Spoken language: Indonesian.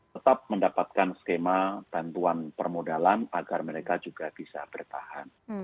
tetap mendapatkan skema bantuan permodalan agar mereka juga bisa bertahan